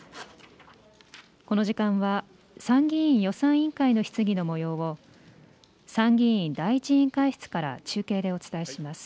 この時間は参議院予算委員会の質疑のもようを、参議院第１委員会室から中継でお伝えします。